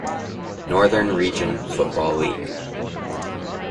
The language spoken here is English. Northern Region Football League